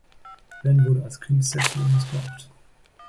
Ben wurde als Kind sexuell missbraucht.